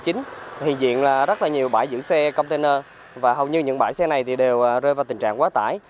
hiện diện rất nhiều bãi dự xe container và hầu như những bãi xe này đều rơi vào tình trạng quá tải